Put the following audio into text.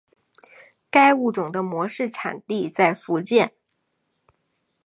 该物种的模式产地在福建。